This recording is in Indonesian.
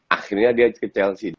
akhirnya dia ke chelsea